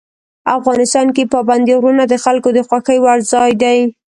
افغانستان کې پابندی غرونه د خلکو د خوښې وړ ځای دی.